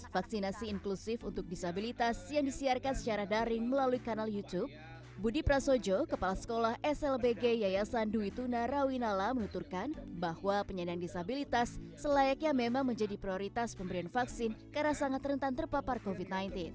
vaksinasi inklusif untuk disabilitas yang disiarkan secara daring melalui kanal youtube budi prasojo kepala sekolah slbg yayasan dwi tuna rawinala menuturkan bahwa penyandang disabilitas selayaknya memang menjadi prioritas pemberian vaksin karena sangat rentan terpapar covid sembilan belas